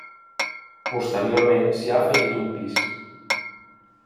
Posteriorment s'hi ha afegit un pis.